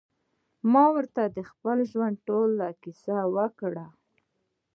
ما ورته د خپل ژوند ټوله کيسه وکړه.